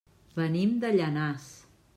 Venim de Llanars.